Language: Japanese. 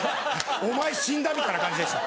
「お前死んだな」みたいな感じでした。